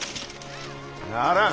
ならん。